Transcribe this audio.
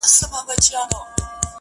o نجاري د بيزو کار نه دئ.